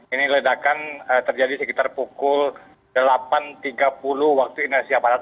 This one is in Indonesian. ini ledakan terjadi sekitar pukul delapan tiga puluh waktu indonesia barat